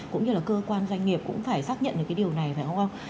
cũng như là cơ quan doanh nghiệp cũng phải xác nhận được cái điều này phải không